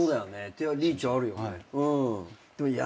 手リーチあるよね。